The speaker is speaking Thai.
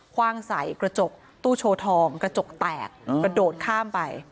ว่างใส่กระจกตู้โชว์ทองกระจกแตกกระโดดข้ามไป